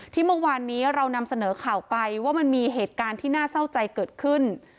ที่เมื่อวานนี้เรานำเสนอข่าวไปว่ามันมีเหตุการณ์ที่น่าเศร้าใจเกิดขึ้น